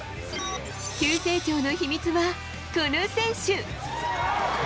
急成長の秘密は、この選手。